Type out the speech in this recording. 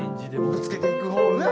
ぶつけていく方が。